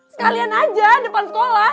sekalian aja depan sekolah